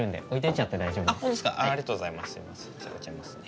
じゃあ置いちゃいますね。